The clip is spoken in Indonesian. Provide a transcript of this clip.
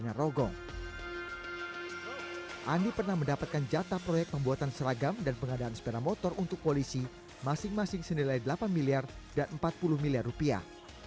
andi pernah mendapatkan jatah proyek pembuatan seragam dan pengadaan sepeda motor untuk polisi masing masing senilai delapan miliar dan empat puluh miliar rupiah